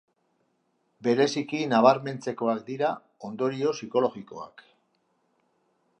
Bereziki nabarmentzekoak dira ondorio psikologikoak.